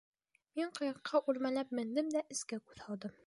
Мин ҡыйыҡҡа үрмәләп мендем дә эскә күҙ һалдым.